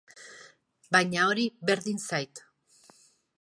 Baina hori berdin zait.